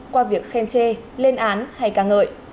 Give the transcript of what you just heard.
do việc khen chê lên án hay ca ngợi